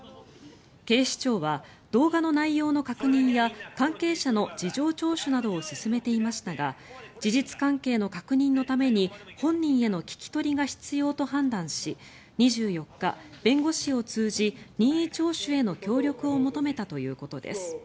警視庁は動画の内容の確認や関係者の事情聴取などを進めていましたが事実関係の確認のために本人への聞き取りが必要と判断し２４日、弁護士を通じ任意聴取への協力を求めたということです。